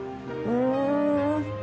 うん。